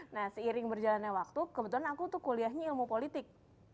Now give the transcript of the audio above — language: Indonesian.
nah seiring berjalannya waktu kebetulan aku tuh kuliahnya ilmu politik